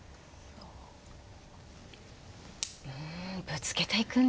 うんぶつけていくんですね。